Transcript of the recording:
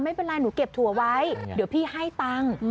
ไม่เป็นไรหนูเก็บถั่วไว้เดี๋ยวพี่ให้ตังค์